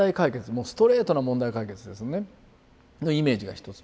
もうストレートな問題解決ですねのイメージが一つ。